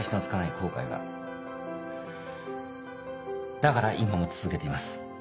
だから今も続けています。